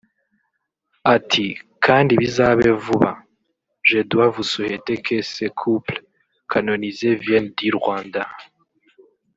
Ati "kandi bizabe vuba " (…je dois vous souhaiter que ces couples canonisés viennent du Rwanda